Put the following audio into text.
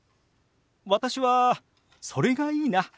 私はそれがいいな。